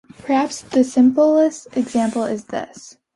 Perhaps the simplest example is this.